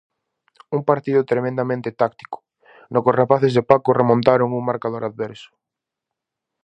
Un partido tremendamente táctico no que os rapaces de Paco remontaron un marcador adverso.